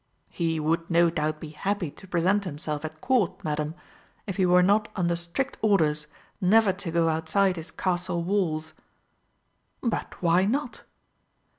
"He would no doubt be happy to present himself at Court, Madam, if he were not under strict orders never to go outside his Castle walls." "But why not?"